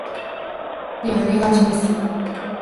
내 아내가 죽었어.